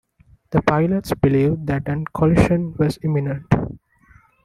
The pilots believed that a collision was imminent.